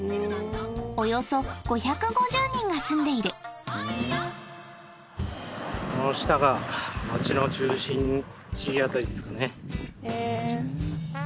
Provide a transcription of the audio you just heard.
およそ５５０人が住んでいるこの下が町の中心地辺りですかね。